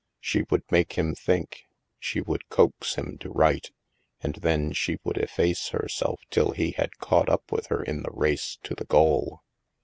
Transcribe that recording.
She would make him think, she would coax him to write, and then she would efface herself till he had caught up with her in the race to the goal.